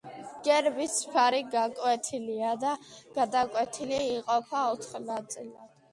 გერბის ფარი გაკვეთილია და გადაკვეთილი, იყოფა ოთხ ნაწილად.